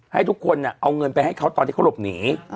ให้ทุกคนเอาเงินไปให้เขาตอนที่เขาหลบหนี